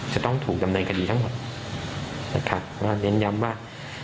จะต้องถูกดำเนินคดีทั้งหมดนะครับก็เน้นย้ำว่า